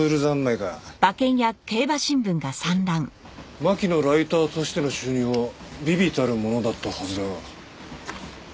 しかし巻のライターとしての収入は微々たるものだったはずだが。